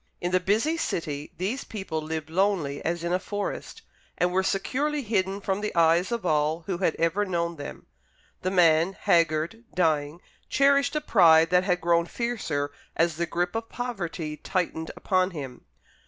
In the busy city these people lived lonely as in a forest, and were securely hidden from the eyes of all who had ever known them. The man haggard, dying cherished a pride that had grown fiercer as the grip of poverty tightened upon him.